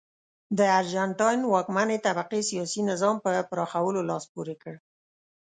د ارجنټاین واکمنې طبقې سیاسي نظام په پراخولو لاس پورې کړ.